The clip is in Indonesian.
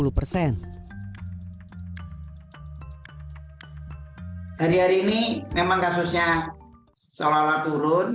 hari hari ini memang kasusnya seolah olah turun